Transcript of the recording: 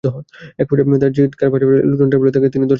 একপর্যায়ে তাঁর চিৎকারে আশপাশের লোকজন টের পেলে তিন ধর্ষক পালিয়ে যায়।